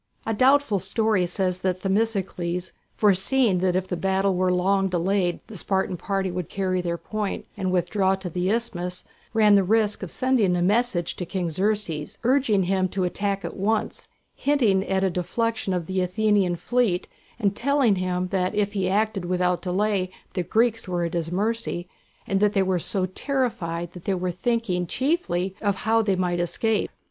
A doubtful story says that Themistocles, foreseeing that if the battle was long delayed the Spartan party would carry their point and withdraw to the isthmus, ran the risk of sending a message to King Xerxes, urging him to attack at once, hinting at a defection of the Athenian fleet, and telling him that if he acted without delay the Greeks were at his mercy, and that they were so terrified that they were thinking chiefly of how they might escape.